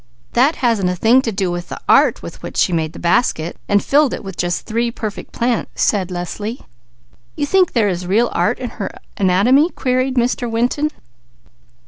"That hasn't a thing to do with the art with which she made the basket and filled it with just three perfect plants," said Leslie. "You think there is real art in her anatomy?" queried Mr. Winton.